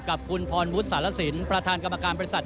กับคุณพรวชว์สารสินประธานกรรมการประสัตว์